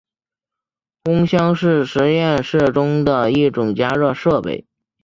烘箱是实验室中的一种加热设备。